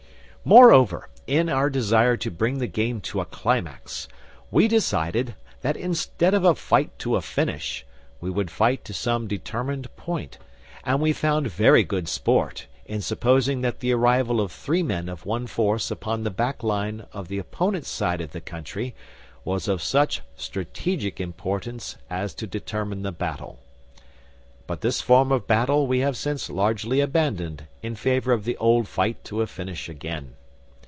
Moreover, in our desire to bring the game to a climax, we decided that instead of a fight to a finish we would fight to some determined point, and we found very good sport in supposing that the arrival of three men of one force upon the back line of the opponent's side of the country was of such strategic importance as to determine the battle. But this form of battle we have since largely abandoned in favour of the old fight to a finish again.